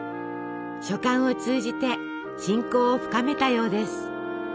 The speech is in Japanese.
書簡を通じて親交を深めたようです。